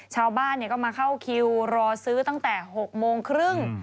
ชาวบ้านก็มาเข้าคิวรอซื้อตั้งแต่๖โมงครึ่ง